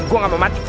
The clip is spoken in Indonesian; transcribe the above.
gue gak mau mati